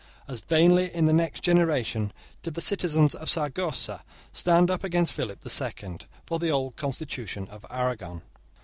As vainly, in the next generation, did the citizens of Saragossa stand up against Philip the Second, for the old constitution of Aragon.